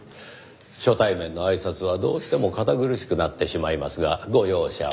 初対面の挨拶はどうしても堅苦しくなってしまいますがご容赦を。